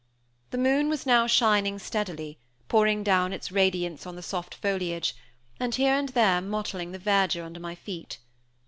The moon was now shining steadily, pouring down its radiance on the soft foliage, and here and there mottling the verdure under my feet.